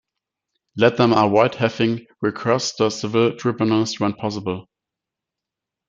Let them avoid having recourse to civil tribunals when possible.